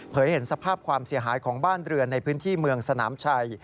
เห็นสภาพความเสียหายของบ้านเรือนในพื้นที่เมืองสนามชัย